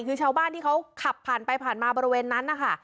คือชาวบ้านที่เขาขับผ่านไปผ่านมาบริเวณนั้นนะคะ